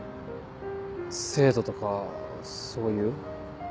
制度とかそういう？